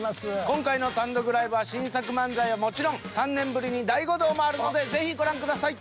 今回の単独ライブは新作漫才はもちろん３年ぶりに「大悟道」もあるので是非ご覧ください！